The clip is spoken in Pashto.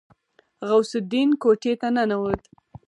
غوث الدين کوټې ته ننوت.